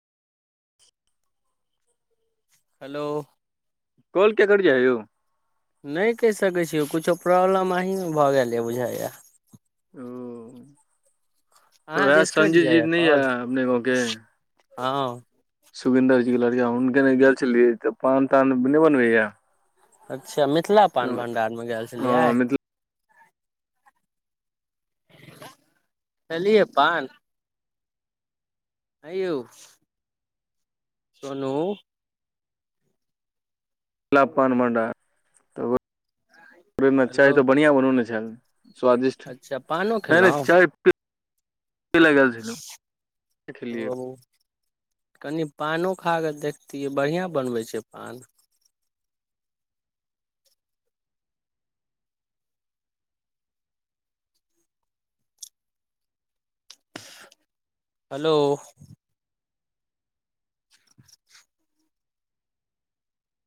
Hello. Call क्य cut जायौ। नय कइ सकै छीयौ कुछो प्रॉब्लम अहीँ भ गेलै बुझाएआ। ओ। तऽ अहाँ उएह दिस कइट संजय जी जाइया नहि कॉल। यऽ अपने हँ। सुखिंन्दर जी के लड़िया हुनगर गेल छलियै त पान तान नो बनबे या। अच्छा मिथिला पान भंडार मे गेल छलियै। हँ मिथिला खैलियै पान। अय यौ, सोनू, गुला पानमभण्डार तओ हेलो चाय त बढ़िआँ बनने छल। स्वादिष्ट अच्छा पानो नय नय खेलहुँ चाय, [unintelligible] देखलिय। ओ कनि पानो खा क देखतियै बड़िया बनबै छै पान। हेलो।